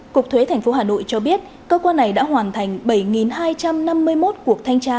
cục thuế tp hà nội cho biết cơ quan này đã hoàn thành bảy hai trăm năm mươi một cuộc thanh tra